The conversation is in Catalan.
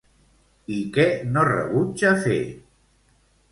I què no rebutja fer?